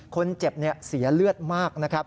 คนเจ็บเสียเลือดมาก